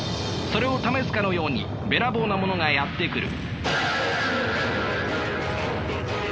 それを試すかのようにべらぼうなものがやって来る。